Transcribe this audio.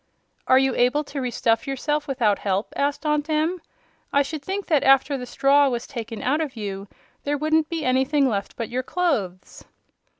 "Are you able to re stuff yourself without help?" asked Aunt Em. "I should think that after the straw was taken out of you there wouldn't be anything left but your clothes."